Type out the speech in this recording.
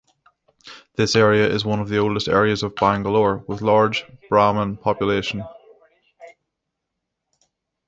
This area is one of the oldest areas of Bangalore with large Brahmin population.